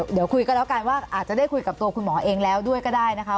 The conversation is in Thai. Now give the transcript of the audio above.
เดี๋ยวคุยกันแล้วกันว่าอาจจะได้คุยกับตัวคุณหมอเองแล้วด้วยก็ได้นะคะ